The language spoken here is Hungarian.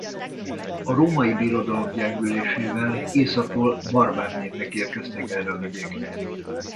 A Római Birodalom gyengülésével északról barbár népek érkeztek erre a vidékre.